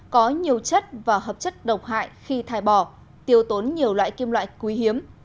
có nhiều chất và hợp chất độc hại khi thải bỏ tiêu tốn nhiều loại kim loại quý hiếm